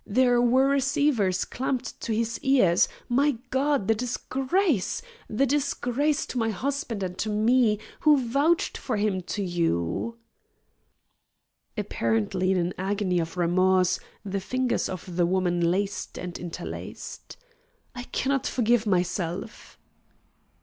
There were receivers clamped to his ears! My God! The disgrace. The disgrace to my husband and to me, who vouched for him to you!" Apparently in an agony of remorse, the fingers of the woman laced and interlaced. "I cannot forgive myself!"